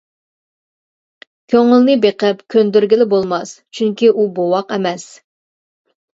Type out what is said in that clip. كۆڭۈلنى بېقىپ كۆندۈرگىلى بولماس، چۈنكى ئۇ بوۋاق ئەمەس.